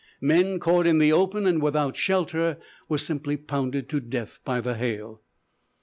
Men caught in the open and without shelter, were simply pounded to death by the hail."